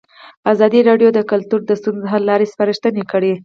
ازادي راډیو د کلتور د ستونزو حل لارې سپارښتنې کړي.